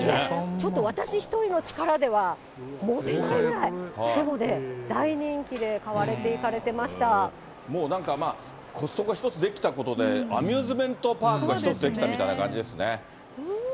ちょっと私１人の力では持てないぐらい、なので、大人気で、もうなんか、コストコが１つ出来たことで、アミューズメントパークが１つ出来たみたいな感じですね。